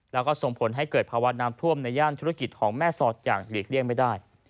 แล้วก็ส่งผลให้เกิดภาวะน้ำท่วมในย่านธุรกิจของแม่สอดอย่างหลีกเลี่ยงไม่ได้